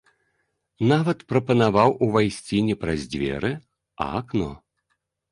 Нават прапанаваў увайсці не праз дзверы, а акно.